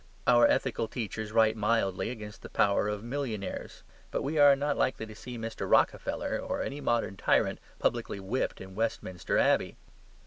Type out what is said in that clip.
Our ethical teachers write mildly against the power of millionaires; but we are not likely to see Mr. Rockefeller, or any modern tyrant, publicly whipped in Westminster Abbey.